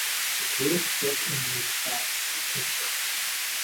The group brought in new bass Ed Carter.